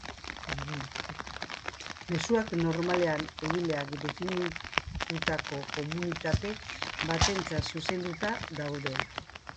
Mezuak normalean egileak definitutako komunitate batentzat zuzenduta daude.